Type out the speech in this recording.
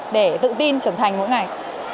để tự tin trở thành mỗi ngày